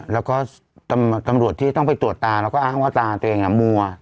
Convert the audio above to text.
แล้วก็ตำรวจที่ต้องไปตรวจตาแล้วก็อ้างว่าตาตัวเองมัว